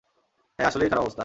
হ্যাঁ, আসলেই খারাপ অবস্থা।